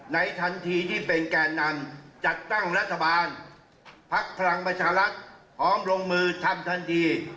ทันทีที่เป็นแก่นำจัดตั้งรัฐบาลพักพลังประชารัฐพร้อมลงมือทำทันที